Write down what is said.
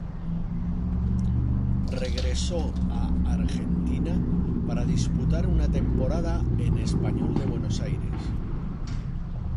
Regresó a Argentina para disputar una temporada en Español de Buenos Aires.